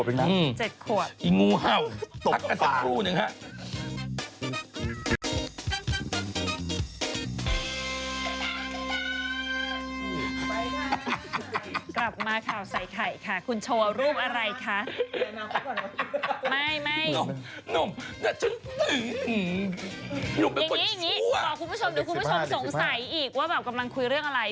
อย่างนี้บอกคุณผู้ชมเดี๋ยวคุณผู้ชมสงสัยอีกว่าแบบกำลังคุยเรื่องอะไร